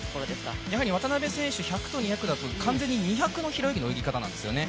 渡辺選手、１００と２００だと、完全に２００の泳ぎ方なんですよね。